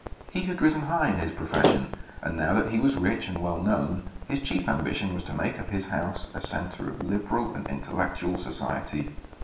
He had risen high in his profession, and now that he was rich and well known his chief ambition was to make of his house a centre of liberal and intellectual society.